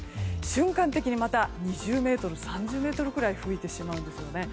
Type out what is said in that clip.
瞬間的にまた２０メートル３０メートルぐらい吹いてしまうんですね。